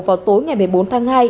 vào tối ngày một mươi bốn tháng hai